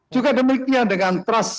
juga demikian dengan trust